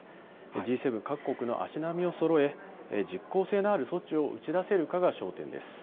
Ｇ７各国の足並みをそろえ、実効性のある措置を打ち出せるかが焦点です。